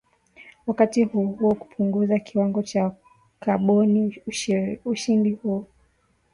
wakati huohuo kupunguza kiwango cha kaboni Ushindi huu